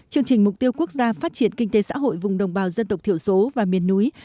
chương trình mục tiêu quốc gia phát triển kinh tế xã hội vùng đồng bào dân tộc thiểu số và miền núi